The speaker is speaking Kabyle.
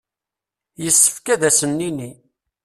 Yessefk ad sen-nini.